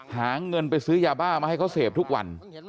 หาเงินไปซื้อยาบ้ามาให้เขาเสพทุกวัน